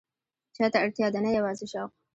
چای ته اړتیا ده، نه یوازې شوق.